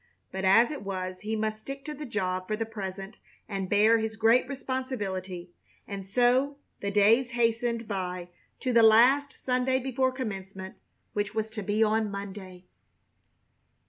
But as it was he must stick to the job for the present and bear his great responsibility, and so the days hastened by to the last Sunday before Commencement, which was to be on Monday.